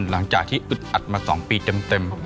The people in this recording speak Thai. หลังจากที่อึดอัดมา๒ปีเต็ม